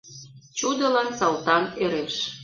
Чудылан Салтан ӧреш.